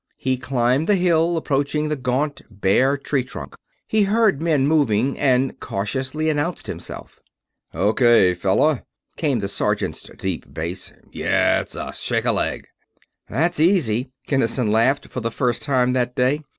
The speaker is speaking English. He climbed the hill, approached the gaunt, bare tree trunk. He heard men moving, and cautiously announced himself. "OK., fella," came the sergeant's deep bass. "Yeah, it's us. Shake a leg!" "That's easy!" Kinnison laughed for the first time that day.